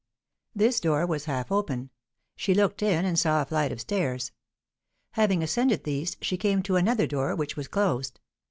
This door was half open; she looked in and saw a flight of stairs. Having ascended these, she came to another door, which was closed.